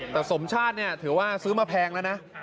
แต่สมชาติเนี่ยถือว่าซื้อมาแพงแล้วนะ